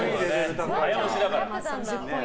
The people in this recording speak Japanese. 早押しだから。